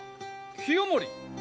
清盛！